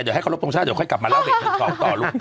เดี๋ยวให้โครงโปรชาติกลับมาแล้วเรียกต่อ